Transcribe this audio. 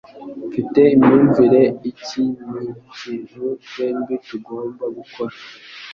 Mfite imyumvire iki nikintu twembi tugomba gukora.